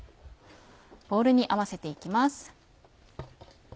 ボウルに合わせて行きます。